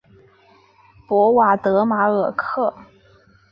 博瓦德马尔克。